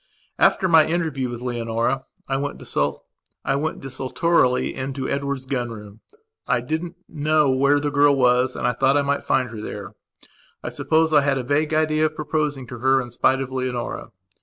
After my interview with Leonora I went desultorily into Edward's gun room. I didn't know where the girl was and I thought I might find her there. I suppose I had a vague idea of proposing to her in spite of Leonora.